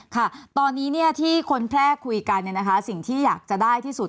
ค่ะตอนนี้ที่คนแพร่คุยกันสิ่งที่อยากจะได้ที่สุด